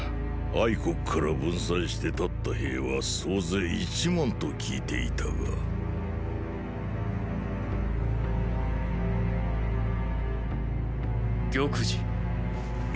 国から分散して発った兵は総勢一万と聞いていたが玉璽。！